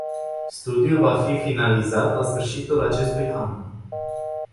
Studiul va fi finalizat la sfârșitul acestui an.